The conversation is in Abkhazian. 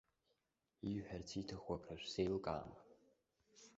Ииҳәарц ииҭаху акрышәзеилкаама?